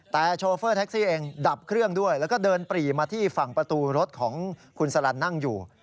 แต่โชเฟอร์แท็กซี่เองดับเครื่องด้วยแล้วก็เดินปรีมาที่ฝั่งประตูรถของคุณสลันนั่งอยู่